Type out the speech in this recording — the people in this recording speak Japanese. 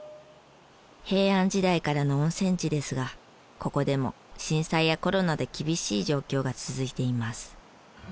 平安時代からの温泉地ですがここでも震災やコロナで厳しい状況が続いています。